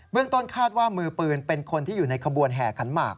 ต้นคาดว่ามือปืนเป็นคนที่อยู่ในขบวนแห่ขันหมาก